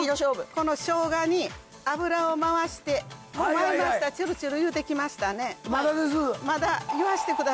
このしょうがに油を回して回りましたらチュルチュル言うてきましたねまだ？